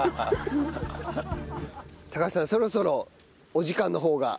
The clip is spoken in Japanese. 橋さんそろそろお時間の方が。